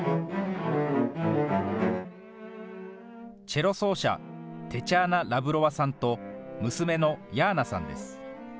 チェロ奏者、テチャーナ・ラブロワさんと、娘のヤーナさんです。